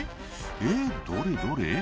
「えぇどれどれ？」